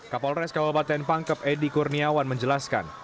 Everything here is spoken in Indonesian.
kapolres kabupaten pangkep edi kurniawan menjelaskan